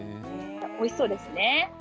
おいしそうですね。